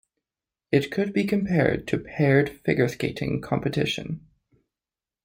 It could be compared to paired figure skating competition.